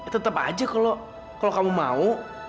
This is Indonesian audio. tetap aja kalau kamu mau